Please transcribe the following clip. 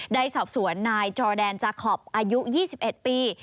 ได้สอบสวนนายจอแดนจาคอปอายุ๒๑ปี